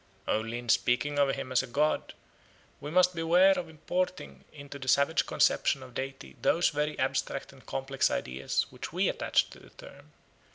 Only in speaking of him as a god we must beware of importing into the savage conception of deity those very abstract and complex ideas which we attach to the term.